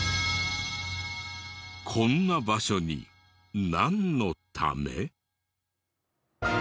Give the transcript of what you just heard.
こんな場所になんのため？